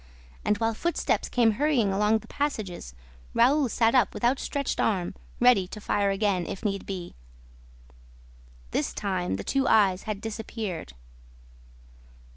And, while footsteps came hurrying along the passages, Raoul sat up with outstretched arm, ready to fire again, if need be. This time, the two eyes had disappeared.